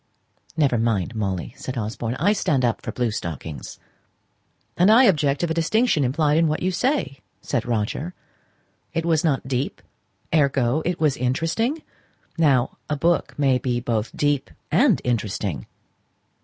"Never mind, Molly," said Osborne. "I stand up for blue stockings." "And I object to the distinction implied in what you say," said Roger. "It was not deep, ergo, it was very interesting. Now, a book may be both deep and interesting."